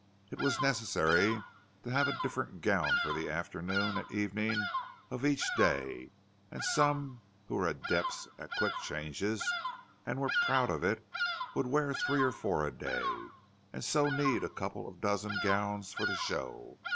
It was necessary to have a different gown for the afternoon and evening of each day; and some, who were adepts at quick changes and were proud of it, would wear three or four a day, and so need a couple of dozen gowns for the show.